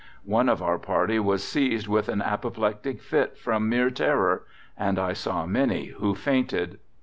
One of our party was seized with an apoplectic fit from mere terror, and I saw many who fainted."